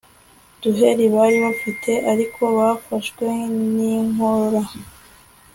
duheri bari bafite ariko bafashwe ninkorora